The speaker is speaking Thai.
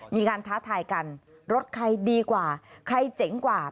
ท้าทายกันรถใครดีกว่าใครเจ๋งกว่า